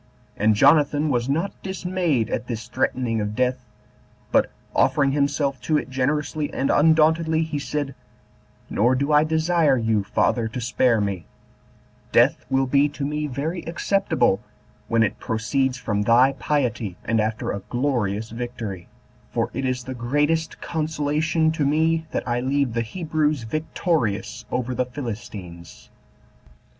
And Jonathan was not dismayed at this threatening of death, but, offering himself to it generously and undauntedly, he said, "Nor do I desire you, father, to spare me: death will be to me very acceptable, when it proceeds from thy piety, and after a glorious victory; for it is the greatest consolation to me that I leave the Hebrews victorious over the Philistines."